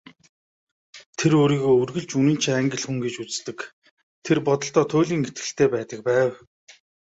Тэр өөрийгөө үргэлж үнэнч Англи хүн гэж үздэг, тэр бодолдоо туйлын итгэлтэй байдаг байв.